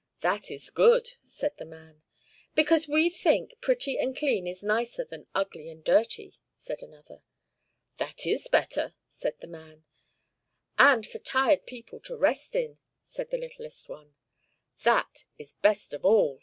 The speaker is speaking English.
"That is good!" said the man. "Because we think pretty and clean is nicer than ugly and dirty!" said another. "That is better!" said the man. "And for tired people to rest in!" said the littlest one. "That is best of all!"